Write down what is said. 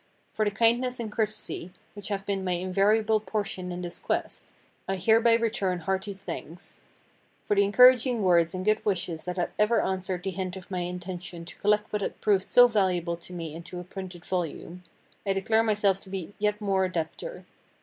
For the kindness and courtesy which have been my invariable portion in this quest, I hereby return hearty thanks. For the encouraging words and good wishes that have ever answered the hint of my intention to collect what had proved so valuable to me into a printed volume, I declare myself to be yet more a debtor.